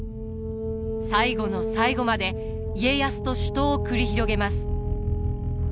最後の最後まで家康と死闘を繰り広げます。